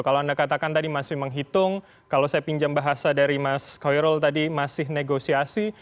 kalau anda katakan tadi masih menghitung kalau saya pinjam bahasa dari mas khoirul tadi masih negosiasi